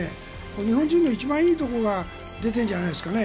日本人の一番いいところが出ているんじゃないですかね。